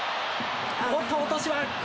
おっと、落としは。